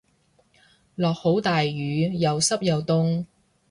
落好大雨又濕又凍